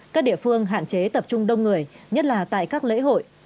các địa phương hạn chế tập trung đông người nhất là tại các lễ hội